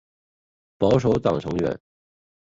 保守党成员。